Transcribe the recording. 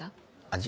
味？